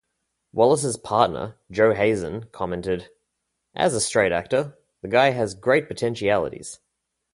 Wallis' partner, Joe Hazen, commented: As a straight actor, the guy has great potentialities.